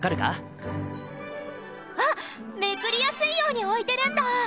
あっめくりやすいように置いてるんだ！